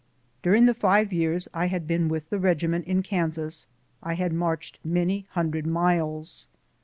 During the live years I had been with the regiment in Kansas I had marched many hundred miles.